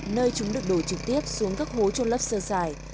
nơi chúng được đổi trực tiếp xuống các hố trôn lấp sơ sài